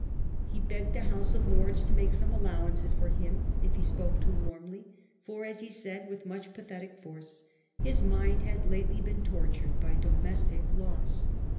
He begged the House of Lords to make some allowance for him if he had spoken too warmly ; for, as he said with much pathetic force, his mind had lately been tortured by domestic loss.